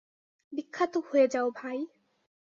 বিখ্যাত হয়ে যাও ভাই।